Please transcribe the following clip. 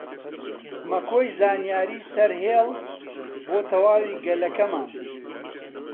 مەکۆی زانیاری سەرهێڵ بۆ تەواوی گەلەکەمان